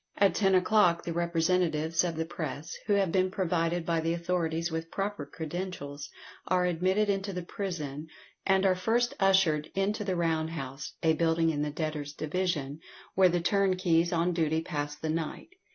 At ten o'clock the representatives of the press, who have been provided by the authorities with proper credentials, are admitted into the prison, and are first ushered into the round house, a building in the debtors' division, where the turnkeys on duty pass the night.